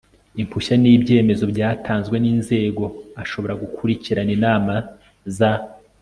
Impushya n ibyemezo byatanzwe n inzego ashobora gukurikirana inama z